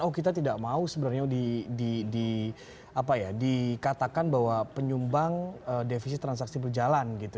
oh kita tidak mau sebenarnya dikatakan bahwa penyumbang defisit transaksi berjalan gitu